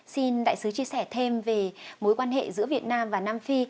xin đại sứ chia sẻ thêm về mối quan hệ giữa việt nam và nam phi